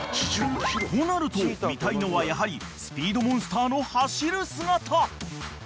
［となると見たいのはやはりスピードモンスターの走る姿］